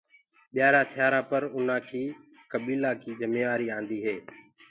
ٻيآرآ ٿيآرآ پر اُنآ ڪي ڦيمليو ڪي جِميوآري آجآندي هي۔